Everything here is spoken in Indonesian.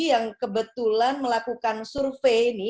yang kebetulan melakukan survei